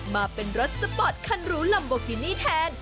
มาเป็นรถสปอร์ตคันรู้ลัมโบกินี่แทน